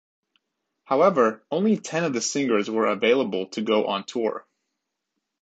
However, only ten of the singers were available to go on tour.